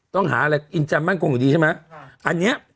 ต้องหาอะไรอินจำมั่นคงอยู่ดีใช่ไหมอันเนี้ย